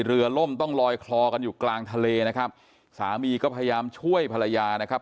ล่มต้องลอยคลอกันอยู่กลางทะเลนะครับสามีก็พยายามช่วยภรรยานะครับ